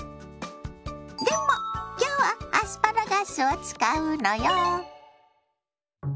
でも今日はアスパラガスを使うのよ。